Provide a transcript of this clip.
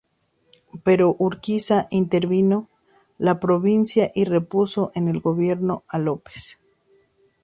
Pero Urquiza intervino la provincia y repuso en el gobierno a López.